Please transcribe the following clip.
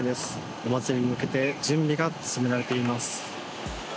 お祭りに向けて準備が進められています。